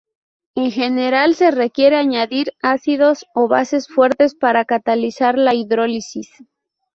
En general se requiere añadir ácidos o bases fuertes para catalizar la hidrólisis.